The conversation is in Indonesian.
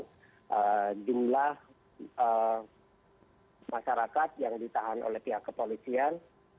dan jumlah masyarakat yang ditahan oleh pihak kepolisian